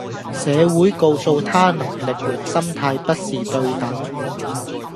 社會告訴他能力和心態不是對等